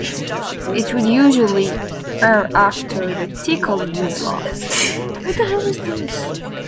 It would usually air after the "Tickle-U" block.